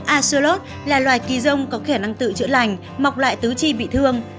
asolot là loài kỳ rông có khả năng tự chữa lành mọc lại tứ chi bị thương